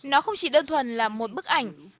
nó không chỉ đơn thuần là một bức ảnh